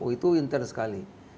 itu intern sekali